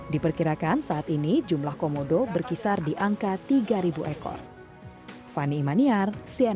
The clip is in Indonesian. diperkirakan saat ini jumlah komodo berkisar di angka tiga ekor